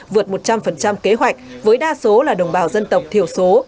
vượt một trăm linh kế hoạch với đa số là đồng bào dân tộc thiểu số